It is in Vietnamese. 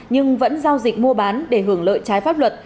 nhưng vẫn giao dịch mua bán để hưởng lợi trái pháp luật